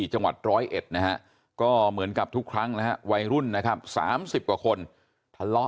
จังหวัด๑๐๑นะฮะก็เหมือนกับทุกครั้งนะฮะวัยรุ่นนะครับ๓๐กว่าคนทะเลาะ